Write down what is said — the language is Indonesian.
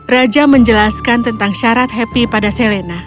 raja menjelaskan tentang syarat happy pada selena